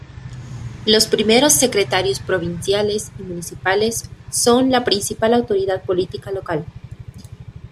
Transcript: Los primeros secretarios provinciales y municipales son la principal autoridad política local.